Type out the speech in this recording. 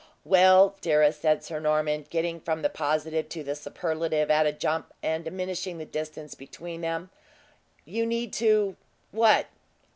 "Well, dearest," said Sir Norman, getting from the positive to the superlative at a jump, and diminishing the distance between them, "you need to what?"